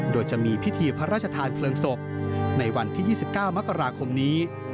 โดยจะมีพิธีพระราชทานเพลิงศพในวันที่๒๙มกราคมนี้